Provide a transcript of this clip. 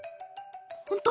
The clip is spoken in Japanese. ほんと？